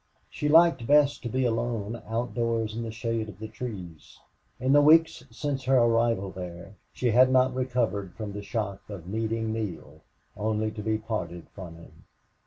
She liked best to be alone outdoors in the shade of the trees. In the weeks since her arrival there she had not recovered from the shock of meeting Neale only to be parted from him.